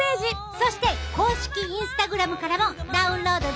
そして公式インスタグラムからもダウンロードできるで！